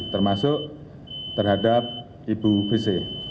termasuk terhadap ibu bc